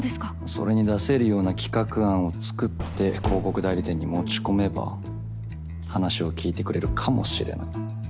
それに出せるような企画案を作って広告代理店に持ち込めば話を聞いてくれるかもしれない。